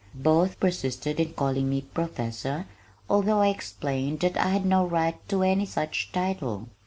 Both persisted in calling me "professor" although I explained that I had no right to any such title.